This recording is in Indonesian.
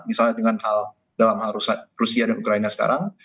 misalnya dengan hal dalam rusia dan ukraina sekarang